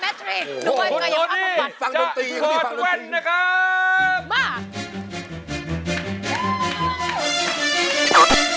คุณโทดี้จะถอดแว่นนะครับ